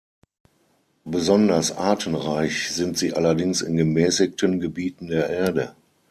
Besonders artenreich sind sie allerdings in gemäßigten Gebieten der Erde.